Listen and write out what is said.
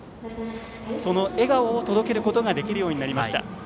その笑顔を届けることができるようになりました。